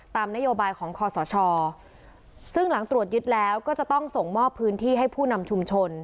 นโยบายของคอสชซึ่งหลังตรวจยึดแล้วก็จะต้องส่งมอบพื้นที่ให้ผู้นำชุมชน